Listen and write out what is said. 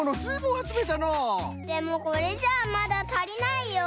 でもこれじゃあまだたりないよ。